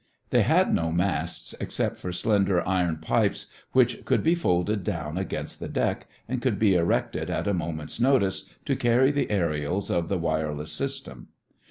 They had no masts except for slender iron pipes which could be folded down against the deck and could be erected at a moment's notice, to carry the aërials of the wireless system.